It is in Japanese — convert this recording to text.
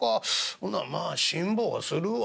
ほなまあ辛抱するわ』